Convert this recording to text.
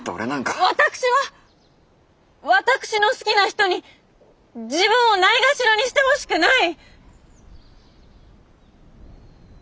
私は私の好きな人に自分を蔑ろにしてほしくない！